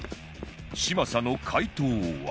嶋佐の解答は